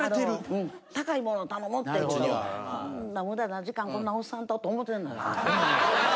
うん高い物頼むっていうほどこんな無駄な時間こんなオッサンとと思ってんのよ。